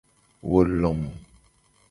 Wo lom.